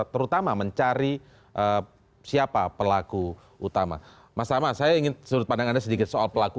terutama mencari siapa pelaku utama masalah saya ingin suruh pandangannya sedikit soal pelaku